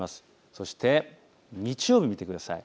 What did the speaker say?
そして日曜日、見てください。